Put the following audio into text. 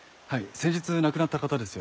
先日亡くなった方ですよね。